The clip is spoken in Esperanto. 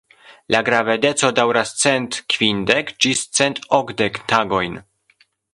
La gravedeco daŭras cent kvindek ĝis cent okdek tagojn.